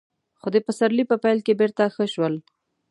خو د پسرلي په پيل کې بېرته ښه شول.